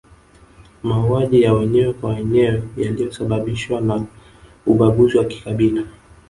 Mauaji ya wenyewe kwa wenye yaliyosababishwa na ubaguzi wa kikabila